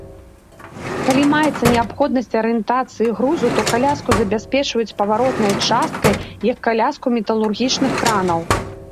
Калі маецца неабходнасць арыентацыі грузу, то каляску забяспечваюць паваротнай часткай, як каляску металургічных кранаў.